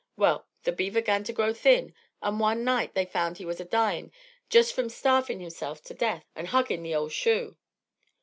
Well, the beaver 'gan to grow thin, and one night they found he was a dyin', jest from starvin' himself to death and a huggin' the ole shoe."